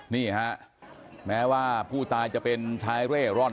นี่ฮะแม้ว่าผู้ตายจะเป็นชายเร่ร่อน